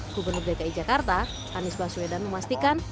gubernur dki jakarta anies baswedan memastikan